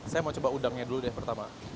saya mau coba udangnya dulu deh pertama